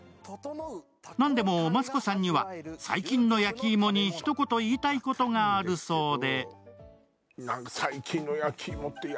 なんでもマツコさんには、最近の焼き芋にひと言言いたいことがあるそうで。